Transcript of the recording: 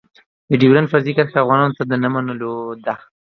د ډېورنډ فرضي کرښه افغانانو ته د نه منلو ده.